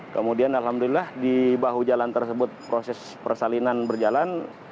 kemudian alhamdulillah di bahu jalan tersebut proses persalinan berjalan